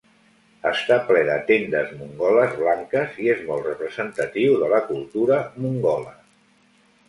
Està ple de tendes mongoles blanques i és molt representatiu de la cultura mongola.